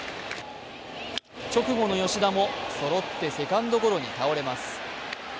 直後の吉田もそろってセカンドゴロに倒れます。